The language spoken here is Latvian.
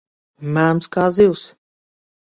Mēms kā zivs.